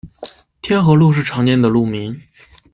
天河路是常见的路名。